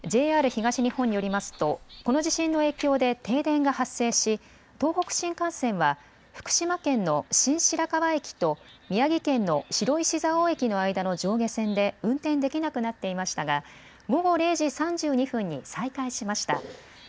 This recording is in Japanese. ＪＲ東日本によりますとこの地震の影響で停電が発生し東北新幹線は福島県の新白河駅と宮城県の白石蔵王駅の間の上下線で運転できなくなっていましたが午後０時３２分に再開しました。